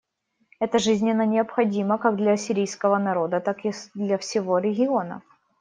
Это жизненно необходимо как для сирийского народа, так и для всего региона.